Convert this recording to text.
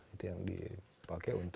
itu yang dipakai untuk